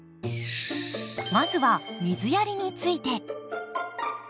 まずは水やりについて。